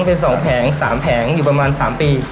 เป็น๒แผง๓แผงอยู่ประมาณ๓ปี